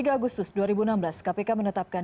tiga agustus dua ribu enam belas kpk menetapkan